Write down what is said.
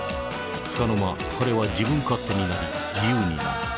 つかの間彼は自分勝手になり自由になる。